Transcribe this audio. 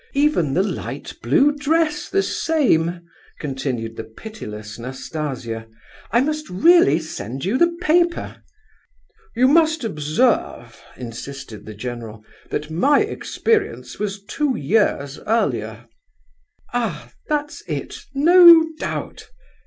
Even the light blue dress the same," continued the pitiless Nastasia. "I must really send you the paper." "You must observe," insisted the general, "that my experience was two years earlier." "Ah! that's it, no doubt!"